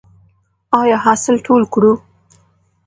آیا حاصل ټول کړو؟